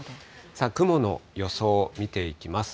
雲の予想、見ていきます。